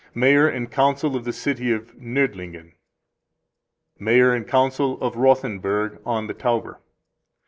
Mayor and Council of the City of Noerdlingen. Mayor and Council of Rothenburg on the Tauber.